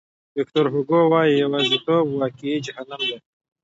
ویکتور هوګو وایي یوازیتوب واقعي جهنم دی.